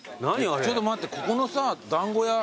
ちょっと待ってここのさ団子屋